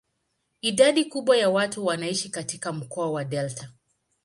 Idadi kubwa ya watu wanaishi katika mkoa wa delta.